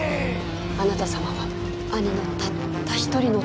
あなた様は兄のたった一人の友ですもの。